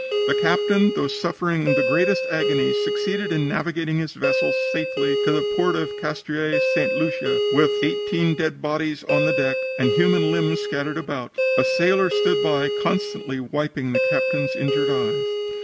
"The captain, though suffering the greatest agony, succeeded in navigating his vessel safely to the port of Castries, St. Lucia, with eighteen dead bodies on the deck and human limbs scattered about. A sailor stood by constantly wiping the captain's injured eyes.